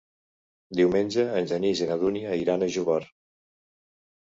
Diumenge en Genís i na Dúnia iran a Xóvar.